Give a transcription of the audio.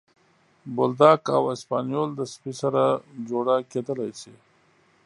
بولداګ او اسپانیول سپي سره جوړه کېدلی شي.